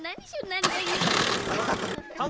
何がいいの？